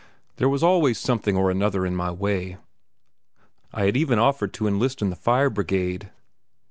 There was always something or another in my way. I had even offered to enlist in the Fire Brigade.